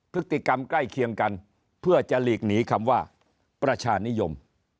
พฤติกรรมใกล้เคียงกันเพื่อจะหลีกหนีคำว่าประชานิยม